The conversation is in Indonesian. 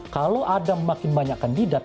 kalau ada makin banyak kandidat